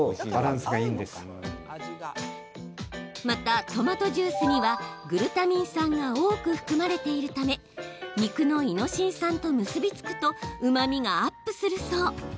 またトマトジュースにはグルタミン酸が多く含まれているため肉のイノシン酸と結び付くとうまみがアップするそう。